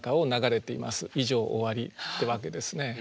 以上終わりってわけですね。